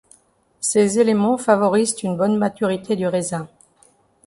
Ces éléments favorisent une bonne maturité du raisin.